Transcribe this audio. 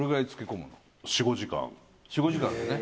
４５時間だよね。